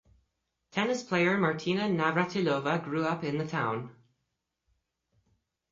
Tennis player Martina Navratilova grew up in the town.